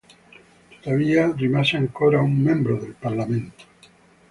Tuttavia, rimase ancora un membro del parlamento.